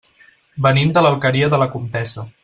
Venim de l'Alqueria de la Comtessa.